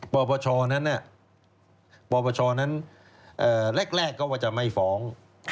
ปรปชนั้นแรกก็ว่าจะไม่ฟ้อง